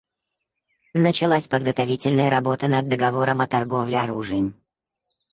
Началась подготовительная работа над договором о торговле оружием.